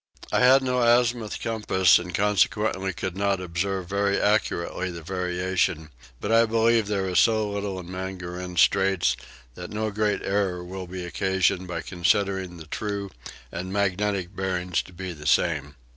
I had no azimuth compass and consequently could not observe very accurately the variation; but I believe there is so little in Mangaryn Straits that no great error will be occasioned by considering the true and magnetic bearings to be the same.